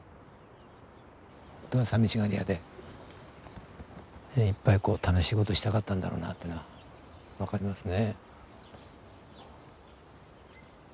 ほんとはさみしがりやでいっぱい楽しい事したかったんだろうなっていうのは分かりますね。